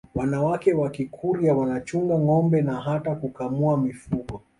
wanawake wa Kikurya wanachunga ngombe na hata kukamua mifugo